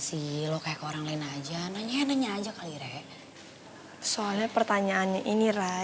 sih lo kayak orang lain aja nanya nanya aja kali rek soalnya pertanyaannya ini ray